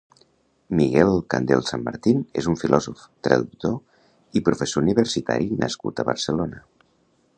Miguel Candel Sanmartín és un filòsof, traductor i professor universitari nascut a Barcelona.